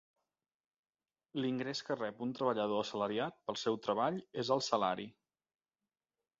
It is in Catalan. L'ingrés que rep un treballador assalariat pel seu treball és el salari.